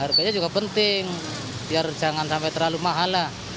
harganya juga penting biar jangan sampai terlalu mahal lah